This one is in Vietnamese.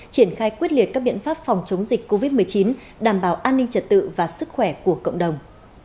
triển khai quyết liệt các biện pháp phòng chống dịch covid một mươi chín đảm bảo an ninh trật tự và sức khỏe của cộng đồng